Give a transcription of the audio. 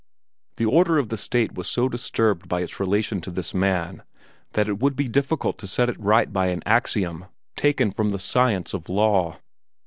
The order of the state was so disturbed in its relation to this man that it would be difficult to set it right by an axiom taken from the science of law.